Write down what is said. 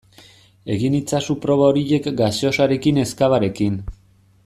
Egin itzazu proba horiek gaseosarekin ez cavarekin.